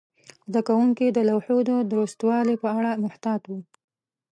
زده کوونکي د لوحو د درستوالي په اړه محتاط وو.